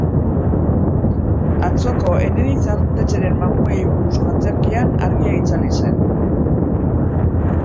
Atzoko Eneritz Artetxeren mamuei buruzko antzerkian argia itzali zen.